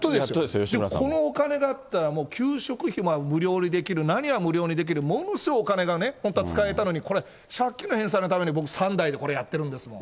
このお金があったらもう給食費も無料にできる、何は無料にできる、ものすごいお金が本当は使えたのに、これ、借金の返済のために僕、３代でこれやってるんですもん。